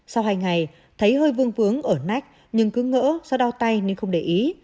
sau hai ngày thấy hơi vương vướng ở nách nhưng cứ ngỡ do đau tay nên không để ý